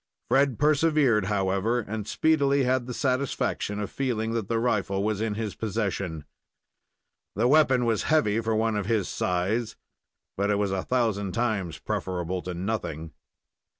Fred persevered, however, and speedily had the satisfaction of feeling that the rifle was in his possession. The weapon was heavy for one of his size, but it was a thousand times preferable to nothing.